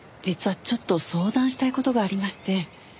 実はちょっと相談したい事がありまして。